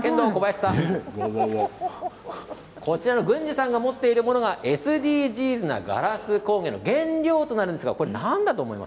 軍司さんの持っているものがＳＤＧｓなガラス工芸の原料になるんです。